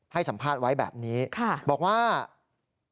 ให้สัมภาษณ์ไว้แบบนี้บอกว่า